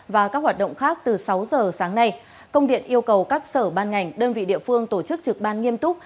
và các hoạt động khác từ sáu giờ sáng nay công điện yêu cầu các sở ban ngành đơn vị địa phương tổ chức trực ban nghiêm túc